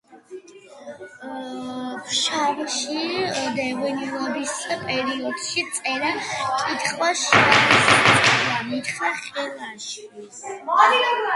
ფშავში დევნილობის პერიოდში წერა კითხვა შეასწავლა მიხა ხელაშვილს.